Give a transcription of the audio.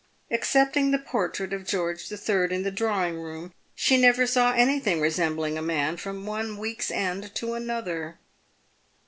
Excepting the portrait of George III. in the drawing room, she never saw anything resembling a man from one week's end to another.